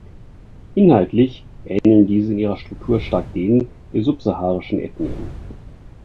Inhaltlich ähneln diese in ihrer Struktur stark denen der subsaharischen Ethnien.